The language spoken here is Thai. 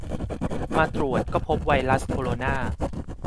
มาตรวจก็พบไวรัสโคโรนา